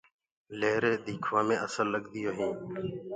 لهرينٚ ديکوآ مي اسل لگديونٚ هينٚ۔